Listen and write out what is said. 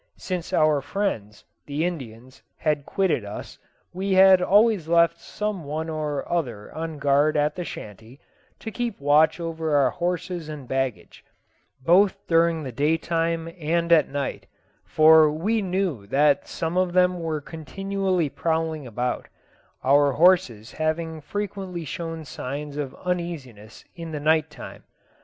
Since our friends, the Indians, had quitted us, we had always left some one or other on guard at the shanty, to keep watch over our horses and baggage, both during the day time and at night; for we knew that some of them were continually prowling about, our horses having frequently shown signs of uneasiness in the night time.